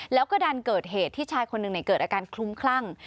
แล้วก็ดันเกิดเหตุที่ชายคนหนึ่งเกิดอาการคลุ้มคลั่ง